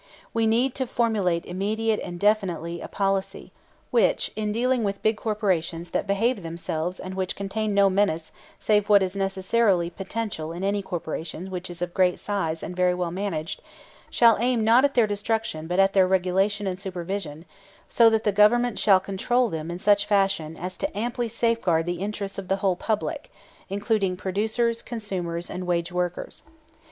We need to formulate immediately and definitely a policy which, in dealing with big corporations that behave themselves and which contain no menace save what is necessarily potential in any corporation which is of great size and very well managed, shall aim not at their destruction but at their regulation and supervision, so that the Government shall control them in such fashion as amply to safeguard the interests of the whole public, including producers, consumers, and wage workers.